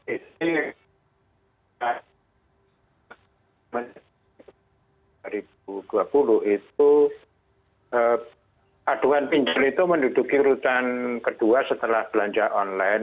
ini dua ribu dua puluh itu aduan pinjol itu menduduki rutan kedua setelah belanja online